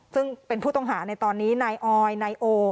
ซึ่งเป็นผู้ต้องหาในตอนนี้นายออยนายโอ